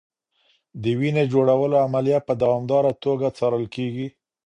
د وینې جوړولو عملیه په دوامداره توګه څارل کېږي.